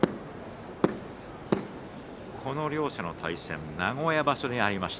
両者の対戦は名古屋場所でありました。